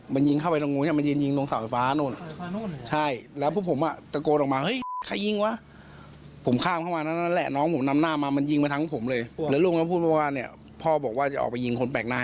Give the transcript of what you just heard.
มันยิงเข้าไปตรงโน้นเนี่ยมันยิง